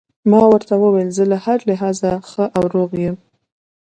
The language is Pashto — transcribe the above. ما ورته وویل: زه له هر لحاظه ښه او روغ یم.